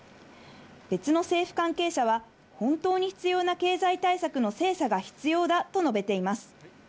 別の政府関係者は、本当に必要な経済対策の精査が必要だと述べています。